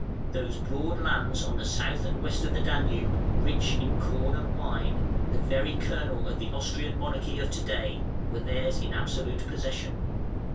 Those broad lands on the south and west of the Danube, rich in corn and wine, the very kernel of the Austrian monarchy of to day, were theirs in absolute possession.